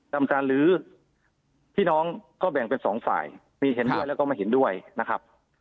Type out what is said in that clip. กรรมการหรือพี่น้องก็แบ่งเป็นสองฝ่ายมีเห็นด้วยแล้วก็ไม่เห็นด้วยนะครับ